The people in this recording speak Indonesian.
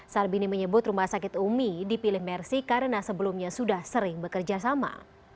sarbini menyebut rumah sakit umi dipilih mersi karena sebelumnya sudah sering bekerja sama